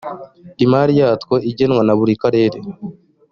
y imari yatwo igenwa na buri karere